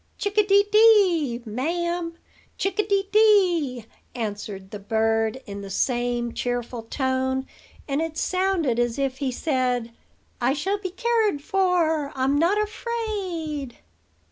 "'Chick a dee dee, ma'am, chick a dee dee!'" answered the bird in the same cheerful tone. And it sounded as if he said, 'I shall be cared for. I'm not afraid.'